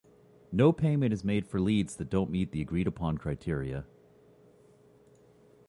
No payment is made for leads that don't meet the agreed upon criteria.